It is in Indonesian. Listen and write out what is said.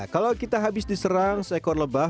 kalau kita habis diserang seekor lebah